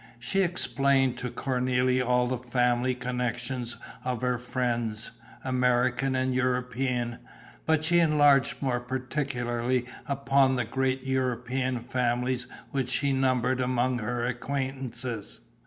She explained to Cornélie all the family connections of her friends, American and European, but she enlarged more particularly upon the great European families which she numbered among her acquaintances.